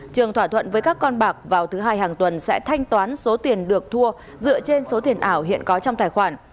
trường thỏa thuận với các con bạc vào thứ hai hàng tuần sẽ thanh toán số tiền được thua dựa trên số tiền ảo hiện có trong tài khoản